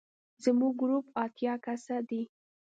زموږ ګروپ اتیا کسه دی.